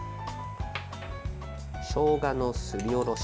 しょうがのすりおろし。